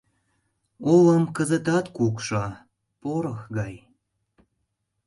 Олым кызыт кукшо, порох гай...